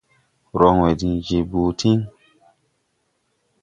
Rɔŋwɛ diŋ je boo tíŋ.